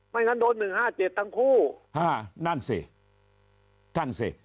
ไม่งั้นโดนหนึ่งห้าเจ็ดทั้งคู่ฮ่านั่นสิท่านสิ